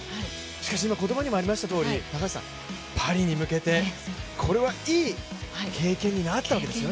しかし今、言葉にもあったとおりパリに向けて、これはいい経験になったわけですよね。